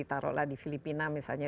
taruhlah di filipina misalnya